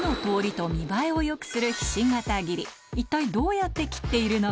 一体どうやって切っているのか？